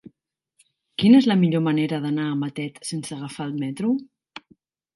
Quina és la millor manera d'anar a Matet sense agafar el metro?